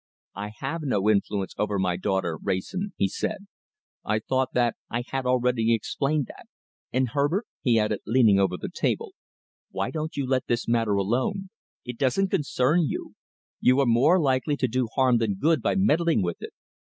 "I have no influence over my daughter, Wrayson," he said. "I thought that I had already explained that. And, Herbert," he added, leaning over the table, "why don't you let this matter alone? It doesn't concern you. You are more likely to do harm than good by meddling with it.